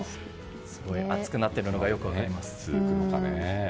暑くなっているのがよく分かります。